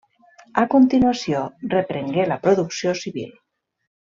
A continuació, reprengué la producció civil.